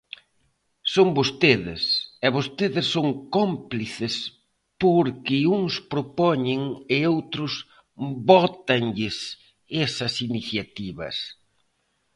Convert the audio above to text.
Son vostedes, e vostedes son cómplices porque uns propoñen e outros vótanlles esas iniciativas.